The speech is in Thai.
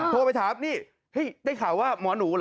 โทรไปถามนี่ได้ข่าวว่าหมอหนูเหรอ